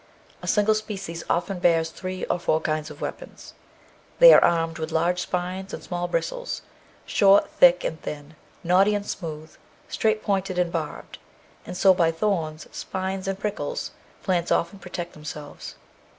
A single species often bears three or four kinds of weapons. They are armed with large spines and small bristles, short, thick and thin, knotty and smooth, straight pointed and barbed. And so by thorns, spines, and prickles, plants often protect themselves.